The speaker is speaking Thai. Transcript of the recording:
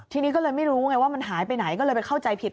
ทีนี้ก็เลยไม่รู้ไงว่ามันหายไปไหนก็เลยไปเข้าใจผิด